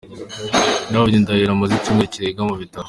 David Ndahiro amaze icyumweru kirenga mu bitaro.